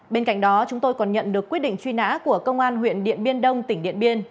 bên cạnh đó chúng tôi còn nhận được quyết định truy nã của công an huyện điện biên đông tỉnh điện biên